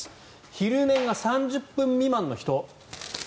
昼寝が３０分未満の人。